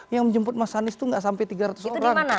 yang menjemput mas anies itu nggak sampai tiga ratus orang